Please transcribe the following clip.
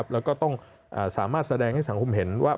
แล้วก็ต้องสามารถแสดงให้สังคมเห็นว่า